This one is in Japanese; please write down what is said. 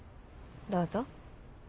どうぞ。